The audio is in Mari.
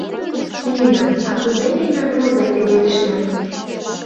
— Нина, а кузе мемнан роза пеледышна?